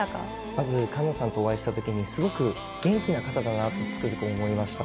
まず栞奈さんとお会いしたときに、すごく元気な方だなとつくづく思いました。